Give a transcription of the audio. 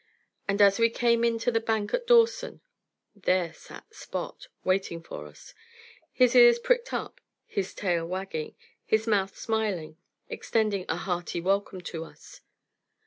And as we came in to the bank at Dawson, there sat that Spot, waiting for us, his ears pricked up, his tail wagging, his mouth smiling, extending a hearty welcome to us.